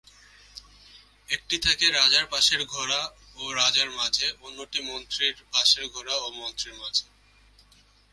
একটি থাকে রাজার পাশের ঘোড়া ও রাজার মাঝে, অন্যটি মন্ত্রীর পাশের ঘোড়া ও মন্ত্রীর মাঝে।